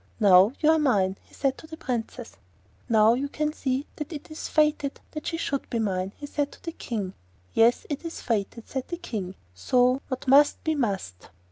'Now you are mine!' said he to the Princess. 'Now you can see that it is fated that she should be mine,' he said to the King. 'Yes, fated it is,' said the King. 'So what must be, must.